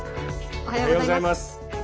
おはようございます。